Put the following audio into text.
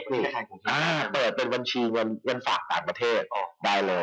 เปิดเป็นบัญชีเงินฝากต่างประเทศได้เลย